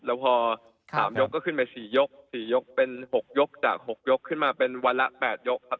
แล้วพอสามยกก็ขึ้นไปสี่ยกสี่ยกเป็นหกยกจากหกยกขึ้นมาเป็นวันละแปดยกครับ